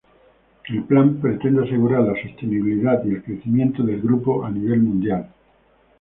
El plan pretende asegurar la sostenibilidad y el crecimiento del grupo a nivel mundial.